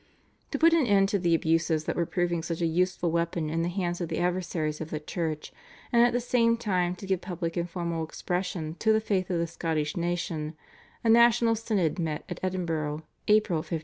To put an end to the abuses that were proving such a useful weapon in the hands of the adversaries of the Church, and at the same time to give public and formal expression to the faith of the Scottish nation, a national synod met at Edinburgh (April 1559).